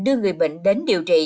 đưa người bệnh đến điều trị